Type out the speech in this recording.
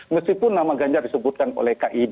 meskipun nama ganjar disebutkan oleh kib